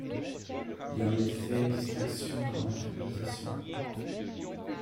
Il y a en effet ici une distinction dans l'interprétation.